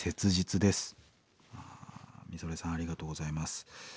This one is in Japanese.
ミゾレさんありがとうございます。